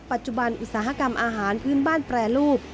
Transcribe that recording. ปัจจุบันอุตสาหกรรมอาหารผืนบ้านแปรรูป